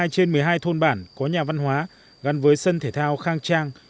một mươi trên một mươi hai thôn bản có nhà văn hóa gắn với sân thể thao khang trang